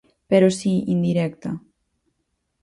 Pero si indirecta.